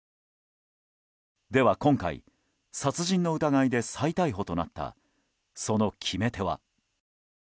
では今回、殺人の疑いで再逮捕となったその決め手は。